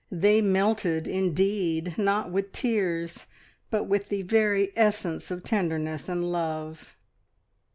They "melted" indeed, not with tears, but with the very essence of tenderness and love.